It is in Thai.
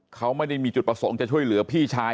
เขาไม่ได้มีจุดประสงค์จะช่วยเหลือพี่ชาย